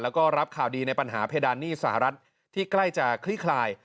แล้วก็รับข่าวดีในปัญหาเพดานหนี้สหรัฐที่ใกล้จะคลี่คลาย